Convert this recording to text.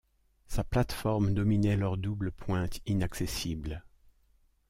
Sa plate-forme dominait leur double pointe inaccessible.